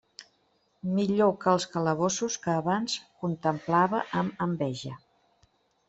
Millor que als calabossos que abans contemplava amb enveja.